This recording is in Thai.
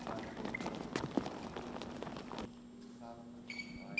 สวัสดีครับทุกคน